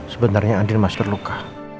sebenarnya andir mas terluka